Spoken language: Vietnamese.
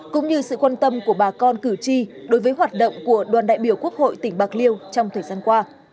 cũng như sự quan tâm của bà con cử tri đối với hoạt động của đoàn đại biểu quốc hội tỉnh bạc liêu trong thời gian qua